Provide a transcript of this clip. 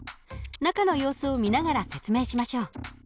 中の様子を見ながら説明しましょう。